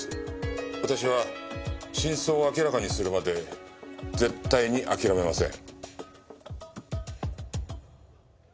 私は真相を明らかにするまで絶対に諦めません。